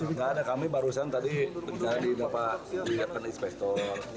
tidak ada kami barusan tadi bencana di depan di depan investor